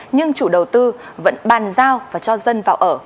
nhưng chủ đầu tư vẫn bàn giao và cho dân vào ở